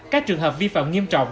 các trường hợp vi phạm nghiêm trọng